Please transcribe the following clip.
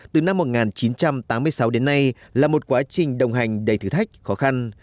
từ năm một nghìn chín trăm tám mươi sáu đến nay là một quá trình đồng hành đầy thử thách khó khăn